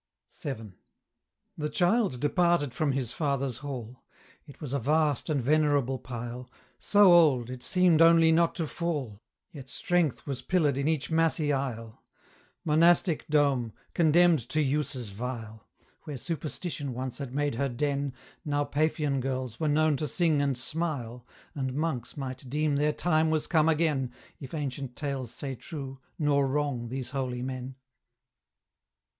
VII. The Childe departed from his father's hall; It was a vast and venerable pile; So old, it seemed only not to fall, Yet strength was pillared in each massy aisle. Monastic dome! condemned to uses vile! Where superstition once had made her den, Now Paphian girls were known to sing and smile; And monks might deem their time was come agen, If ancient tales say true, nor wrong these holy men.